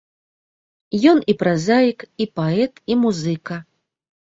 Ён і празаік, і паэт, і музыка.